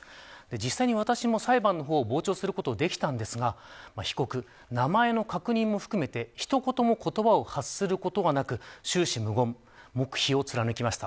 実際に私も裁判を傍聴することができたんですが被告は、名前の確認も含めて一言も言葉を発することがなく終始無言、黙秘を貫きました。